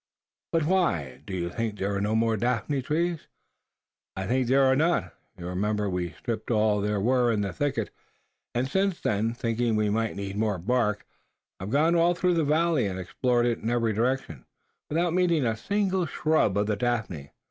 "But why? Do you think there are no more daphne trees?" "I think there are not. You remember we stripped all there were in the thicket; and since then, thinking we might need more bark, I have gone all through the valley, and explored it in every direction, without meeting with a single shrub of the daphne.